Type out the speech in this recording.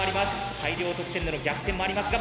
大量得点での逆転もありますが。